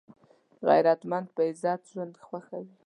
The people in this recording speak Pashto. غیرتمند په عزت ژوند خوښوي